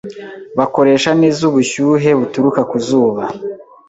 Bakoresha neza ubushyuhe buturuka ku zuba.